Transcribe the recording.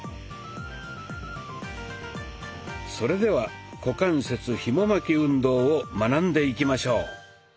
それでは「股関節ひも巻き運動」を学んでいきましょう。